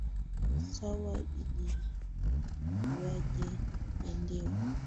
sawa ile laki edward yetu ni laki na hayana kabisa samaki zote ziliharibika